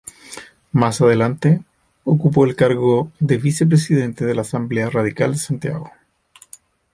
Más adelante, ocupó el cargo de vicepresidente de la Asamblea Radical de Santiago.